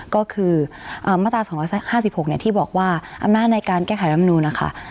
ก็คือมาตรา๒๕๖ที่บอกว่าอำนาจในการแก้ไขรำนูนนะคะ